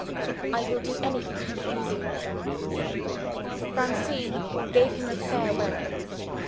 "I will do anything to please you." Francine gave him a farewell look.